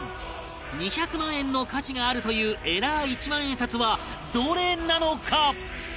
２００万円の価値があるというエラー一万円札はどれなのか？